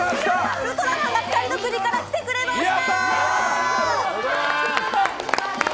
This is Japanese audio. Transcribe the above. ウルトラマンが光の国から来てくれました！